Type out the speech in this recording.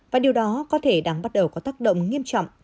và điều đó có thể đang bắt đầu có tác động nghiêm trọng